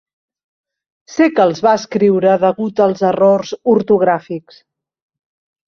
Sé que els va escriure degut als errors ortogràfics.